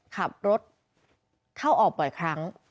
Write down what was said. ขับรถเข้าออกบ่อยครั้ง